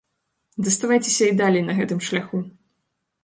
Заставайцеся і далей на гэтым шляху!